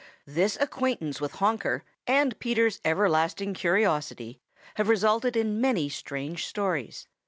This acquaintance with Honker and Peter's everlasting curiosity have resulted in many strange stories.